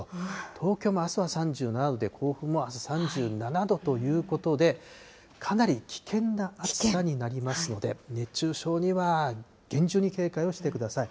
東京もあすは３７度で、甲府もあす３７度ということで、かなり危険な暑さになりますので、熱中症には厳重に警戒をしてください。